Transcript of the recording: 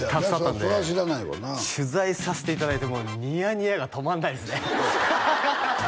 そりゃ知らないわな取材させていただいてニヤニヤが止まんないですね